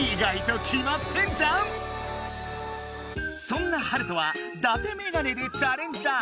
そんなハルトはだてメガネでチャレンジだ！